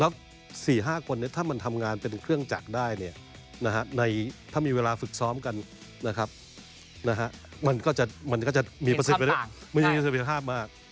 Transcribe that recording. แล้ว๔๕คนถ้ามันทำงานเป็นเครื่องจักรได้ถ้ามีเวลาฝึกซ้อมกันนะครับมันก็จะมีศักยภาพมาก